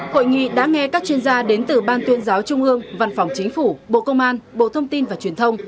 hội nghị đã nghe các chuyên gia đến từ ban tuyên giáo trung ương văn phòng chính phủ bộ công an bộ thông tin và truyền thông